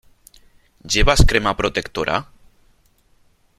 ¿Llevas crema protectora?